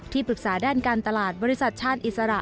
ปรึกษาด้านการตลาดบริษัทชาติอิสระ